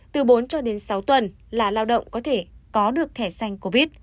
từ bốn cho đến sáu tuần là lao động có thể có được thẻ xanh covid